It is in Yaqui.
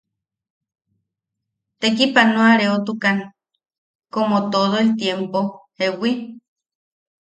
Tekipanoareotukan komo todo el tiempo ¿jewi?